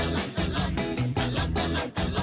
หลอนล้อม